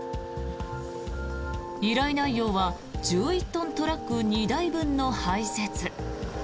依頼内容は１１トントラック２台分の排雪。